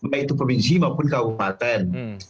yaitu provinsi maupun kabupaten